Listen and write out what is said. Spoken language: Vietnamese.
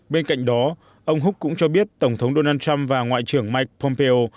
bên cạnh đó ông húc cũng cho biết tổng thống donald trump và ngoại trưởng mike pompeo